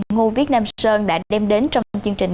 ngô viết nam sơn đã đem đến trong năm chương trình